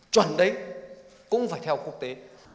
chuẩn đấy cũng phải theo quốc tế